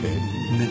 ねっ。